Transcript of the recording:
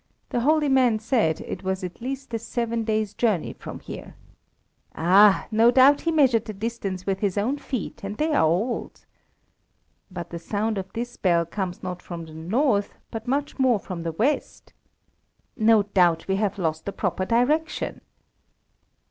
The holy man said it was at least a seven days' journey from here." "Ah! no doubt he measured the distance with his own feet, and they are old." "But the sound of this bell comes not from the north, but much more from the west." "No doubt we have lost the proper direction."